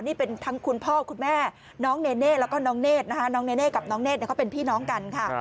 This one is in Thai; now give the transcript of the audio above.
นี่เป็นทั้งคุณพ่อคุณแม่น้องเน่เน่แล้วก็น้องเน่ดนะคะ